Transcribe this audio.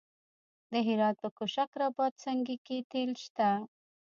د هرات په کشک رباط سنګي کې تیل شته.